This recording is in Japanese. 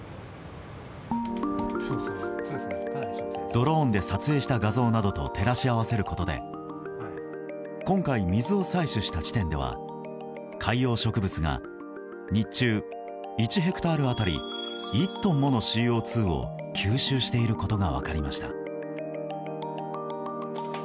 ドローンで撮影した画像などと照らし合わせることで今回、水を採取した地点では海洋植物が日中、１ヘクタール当たり１トンものＣＯ２を吸収していることが分かりました。